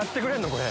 これ。